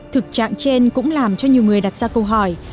thực trạng trên cũng làm cho nhiều người đặt ra câu hỏi